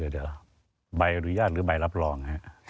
เดี๋ยวใบอนุญาตหรือใบรับรอง